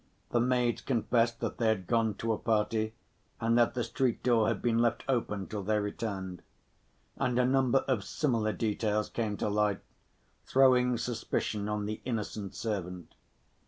The maids confessed that they had gone to a party and that the street‐door had been left open till they returned. And a number of similar details came to light, throwing suspicion on the innocent servant.